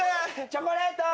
チョコレート。